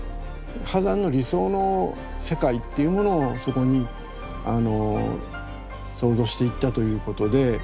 波山の理想の世界っていうものをそこに創造していったということで。